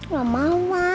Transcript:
gak mau ma